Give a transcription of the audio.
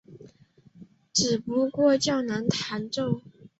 只不过较难弹奏。